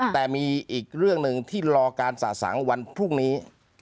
แต่มีอีกเรื่องหนึ่งที่รอการสะสังวันพรุ่งนี้